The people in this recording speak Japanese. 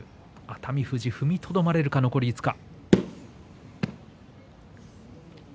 熱海富士、踏みとどまれるか残り５日。